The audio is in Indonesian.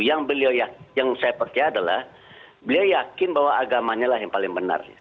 yang saya percaya adalah beliau yakin bahwa agamanya lah yang paling benar